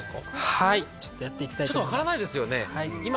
はい、ちょっとやっていきたいと思います。